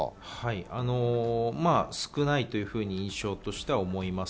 少ないというふうに印象としては思います。